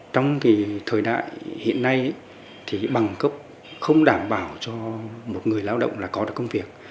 trong thời đại hiện nay thì bằng cấp không đảm bảo cho một người lao động là có được công việc